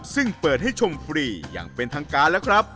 ซึ่งเปิดให้ชมฟรีอย่างเป็นทางการแล้วครับ